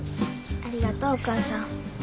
ありがとうお母さん。